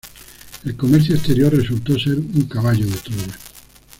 El comercio exterior resultó ser un caballo de Troya.